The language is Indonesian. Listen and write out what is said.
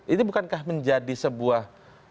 itu bukankah menjadi sebuah